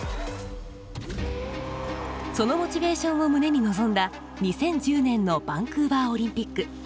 そのモチベーションを胸に臨んだ２０１０年のバンクーバーオリンピック。